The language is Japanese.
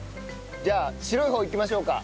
じゃあ白い方いきましょうか。